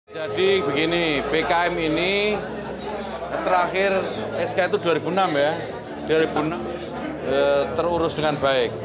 jadi begini pkm ini terakhir sk itu dua ribu enam ya terurus dengan baik